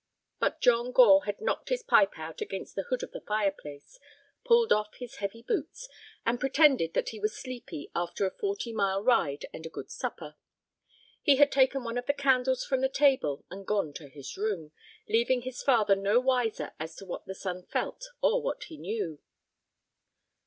But John Gore had knocked his pipe out against the hood of the fireplace, pulled off his heavy boots, and pretended that he was sleepy after a forty mile ride and a good supper. He had taken one of the candles from the table and gone to his room, leaving his father no wiser as to what the son felt or what he knew.